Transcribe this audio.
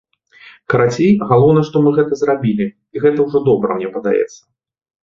Карацей, галоўнае, што мы гэта зрабілі, і гэта ўжо добра, мне падаецца.